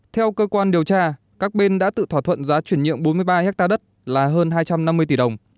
theo cơ quan điều tra các bên đã tự thỏa thuận giá chuyển nhiệm bốn mươi ba hectare đất là hơn hai trăm năm mươi tỷ đồng